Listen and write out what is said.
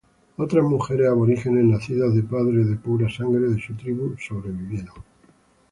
Otras mujeres aborígenes nacidos de padres de pura sangre de su tribu sobrevivieron.